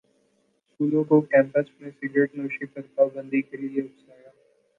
سکولوں کو کیمپس میں سگرٹنوشی پر پابندی کے لیے اکسایا